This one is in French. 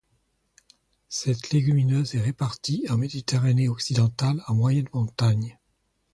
Cette légumineuse est répartie en Méditerranée occidentale, en moyenne montagne.